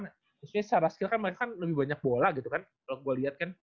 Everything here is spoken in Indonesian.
khususnya secara skill kan mereka lebih banyak bola gitu kan kalau gue liat kan